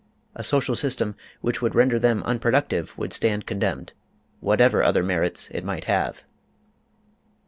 A social system which would render them unproductive would stand condemned, whatever other merits it might have.